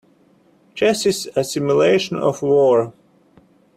Chess is a simulation of war.